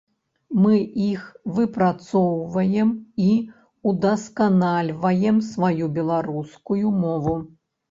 Мы іх выпрацоўваем і ўдасканальваем сваю беларускую мову.